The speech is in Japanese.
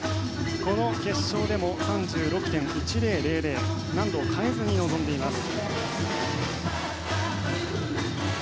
この決勝でも３６．１０００と難度を変えずに臨んでいます。